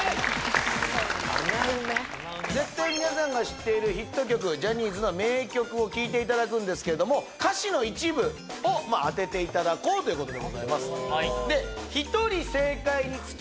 絶対皆さんが知っているヒット曲ジャニーズの名曲を聴いていただくんですけれども歌詞の一部を当てていただこうということでございます